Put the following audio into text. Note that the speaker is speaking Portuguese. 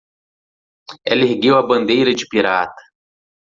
Ela ergueu a bandeira de pirata.